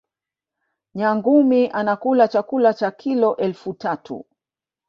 nyangumi anakula chakula cha kilo elfu tatu